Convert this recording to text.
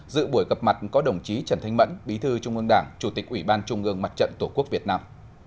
dự buổi gặp mặt có đồng chí trần thanh mẫn bí thư trung ương đảng chủ tịch ủy ban trung ương mặt trận tổ quốc việt nam